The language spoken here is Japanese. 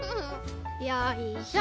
よいしょ。